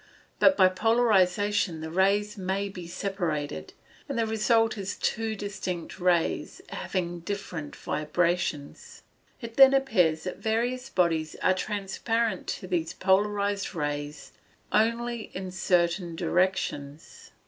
But by polarization the rays may be separated, and the result is two distinct rays, having different vibrations. It then appears that various bodies are transparent to these polarized rays only in certain directions.